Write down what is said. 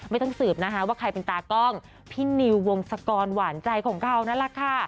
ไม่ต้องสืบนะคะว่าใครเป็นตากล้องพี่นิววงศกรหวานใจของเรานั่นแหละค่ะ